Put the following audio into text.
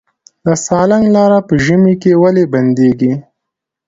د سالنګ لاره په ژمي کې ولې بندیږي؟